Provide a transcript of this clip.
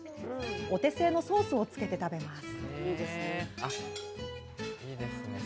お手製のソースをつけて食べます。